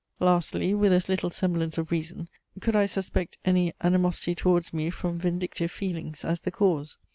Lastly, with as little semblance of reason, could I suspect any animosity towards me from vindictive feelings as the cause.